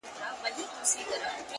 • زما خوښيږي پر ماگران دى د سين تـورى؛